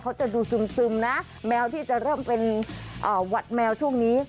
เขาจะดูซึมนะแมวที่จะเริ่มเป็นหวัดแมวช่วงนี้